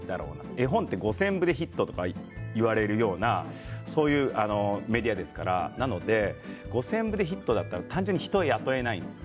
絵本は５０００部でヒットと言われるようなそういうメディアですから５０００部でヒットだったら単純に人を雇えないです。